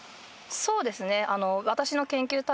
そうですね。